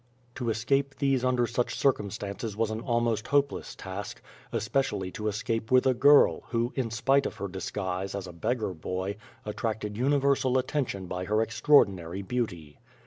To escape these under such circumstances was an almost hopeless task, especially to escape with a girl who, in spite of her disguise, as a beggar boy, attracted universal attention by h6r extraordinary beauty.